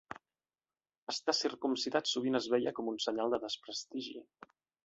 Estar circumcidat sovint es veia com un senyal de desprestigi.